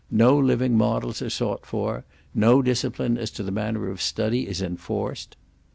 No living models are sought for; no discipline as to the manner of study is enforced.